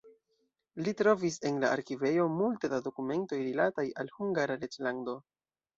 Li trovis en la arkivejo multe da dokumentoj rilataj al Hungara reĝlando.